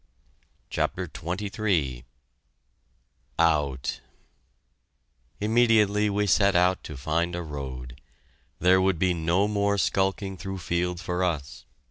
CHAPTER XXIII OUT Immediately we set out to find a road. There would be no more skulking through fields for us.